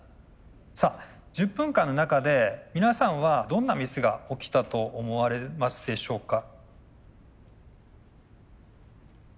さあ１０分間の中で皆さんはどんなミスが起きたと思われますでしょうか？